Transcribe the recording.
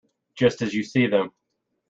Just as you see them.